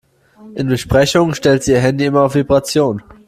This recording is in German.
In Besprechungen stellt sie ihr Handy immer auf Vibration.